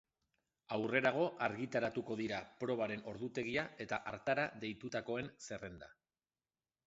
Aurrerago argitaratuko dira probaren ordutegia eta hartara deitutakoen zerrenda.